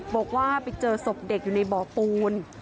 บอกว่าไปเจอศพเด็กอยู่ในบ่อปูน